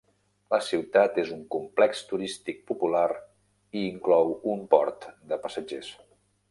La ciutat és un complex turístic popular i inclou un port de passatgers.